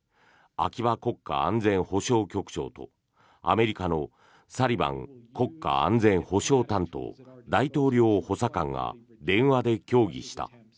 秋葉国家安全保障局長とアメリカのサリバン国家安全保障担当大統領補佐官が電話で協議した。